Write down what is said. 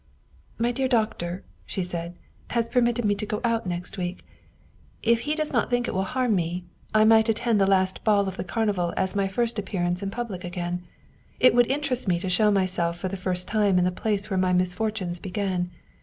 " My dear doctor," she said, " has permitted me to go out next week. If he does not think it will harm me, I might attend the last ball of the carnival as my first appearance in public again. It would interest me to show myself for the first time in the place where my misfortunes began.